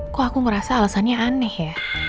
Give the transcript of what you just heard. kok aku merasa alasannya aneh ya